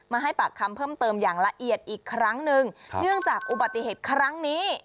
ให้ปากคำเพิ่มเติมอย่างละเอียดอีกครั้งหนึ่งเนื่องจากอุบัติเหตุครั้งนี้